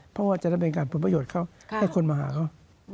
เพราะว่าจะดำเนินการผลประโยชน์เขาให้คนมาหาเขา